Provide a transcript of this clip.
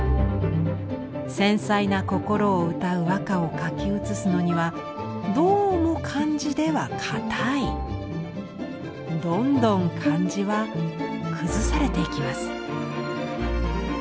繊細な心をうたう和歌を書き写すのにはどうも漢字では硬いどんどん漢字は崩されていきます。